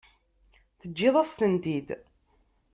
Teǧǧiḍ-as-tent-id.